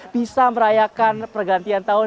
bisa merayakan pergantian tahun